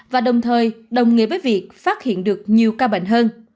và đồng thời đồng nghĩa với việc phát hiện được nhiều ca bệnh hơn